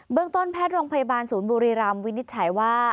ต้นแพทย์โรงพยาบาลศูนย์บุรีรำวินิจฉัยว่า